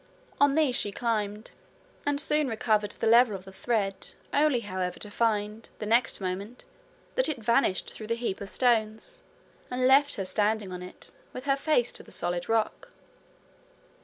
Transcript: On these she climbed, and soon recovered the level of the thread only however to find, the next moment, that it vanished through the heap of stones, and left her standing on it, with her face to the solid rock.